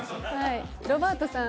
ロバートさん